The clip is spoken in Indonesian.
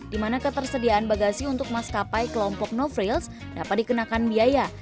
di mana ketersediaan bagasi untuk maskapai kelompok no friels dapat dikenakan biaya